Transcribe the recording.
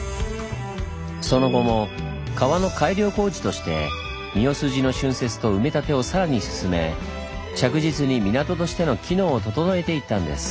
その後も川の改良工事として澪筋の浚渫と埋め立てをさらに進め着実に港としての機能を整えていったんです。